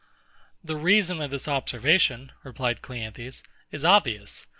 The reason of this observation, replied CLEANTHES, is obvious.